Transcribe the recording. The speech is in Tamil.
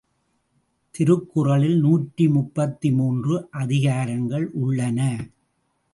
திருக்குறளில் நூற்றி முப்பத்து மூன்று அதிகாரங்கள் உள்ளன.